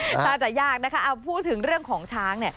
ทานจะยากนะคะพูดถึงเรื่องของช้าง